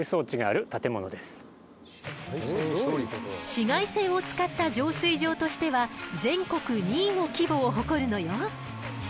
紫外線を使った浄水場としては全国２位の規模を誇るのよ。